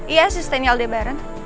iya asisten aldebaran